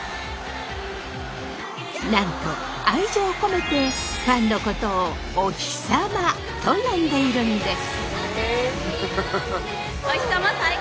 なんと愛情を込めてファンのことを「おひさま」と呼んでいるんです。